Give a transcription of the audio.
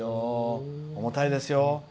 重たいですよ。